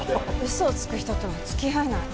嘘をつく人とは付き合えない。